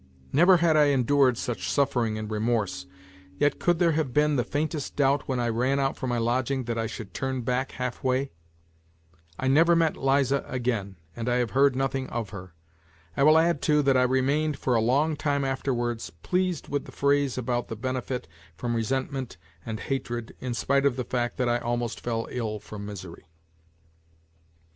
Never had I endured such suffering and remorse, yet could there have been the faintest doubt when I ran out from my lodging that I should turn back half way ? I never met Liza again and I have heard nothing of her. I will add, too, that I remained for a long time afterwards pleased with the phrase about the benefit from resentment and hatred in spite of the fact that I almost fell ill from misery.